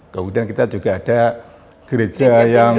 kemudian kita juga ada gereja yang